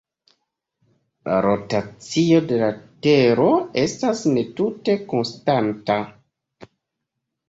La rotacio de la Tero estas ne tute konstanta.